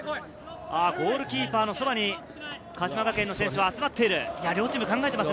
ゴールキーパーのそばに鹿島学園の選手が集まっています。